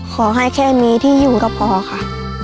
ขอให้แค่มีที่อยู่ก็พอค่ะ